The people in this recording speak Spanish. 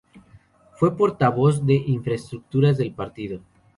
Fue portavoz de Infraestructuras del Partido.